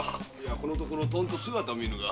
このところとんと姿を見ぬが。